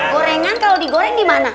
penggorengan kalo digoreng dimana